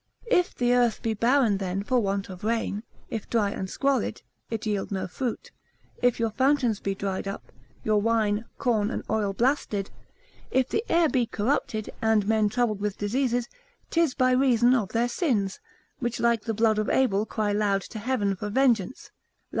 If the earth be barren then for want of rain, if dry and squalid, it yield no fruit, if your fountains be dried up, your wine, corn, and oil blasted, if the air be corrupted, and men troubled with diseases, 'tis by reason of their sins: which like the blood of Abel cry loud to heaven for vengeance, Lam.